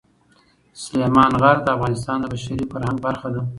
سلیمان غر د افغانستان د بشري فرهنګ برخه ده.